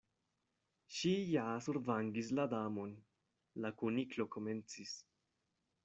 "Ŝi ja survangis la Damon" la Kuniklo komencis.